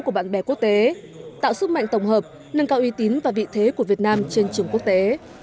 của bạn bè quốc tế tạo sức mạnh tổng hợp nâng cao uy tín và vị thế của việt nam trên trường quốc tế